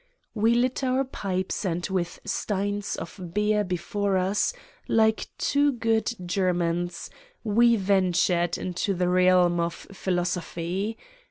We lit our pipes and with steins of beer before us, like two good Germans, we ventured into the realm of philosophy.